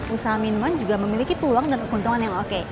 usaha minuman juga memiliki peluang dan keuntungan yang oke